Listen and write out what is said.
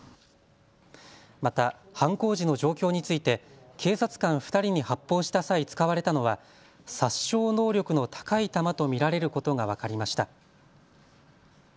また犯行時の状況について警察官２人に発砲した際使われたのは殺傷能力の高い弾と見られることが分かりました。